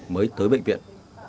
mới tới bệnh viện